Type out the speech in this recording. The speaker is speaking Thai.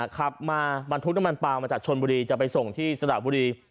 ขับมาบรรทุกน้ำมันปลามาจากชนบุรีจะไปส่งที่สระบุรี